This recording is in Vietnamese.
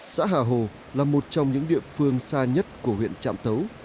xã hà hồ là một trong những địa phương xa nhất của huyện trạm tấu